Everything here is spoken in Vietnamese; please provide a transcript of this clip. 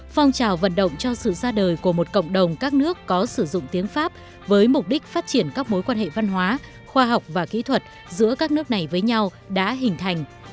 phong trào vận động cho sự ra đời của một cộng đồng các nước có sử dụng tiếng pháp với mục đích phát triển các mối quan hệ văn hóa khoa học và kỹ thuật giữa các nước này với nhau đã hình thành